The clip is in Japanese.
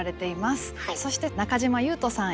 そして中島裕翔さん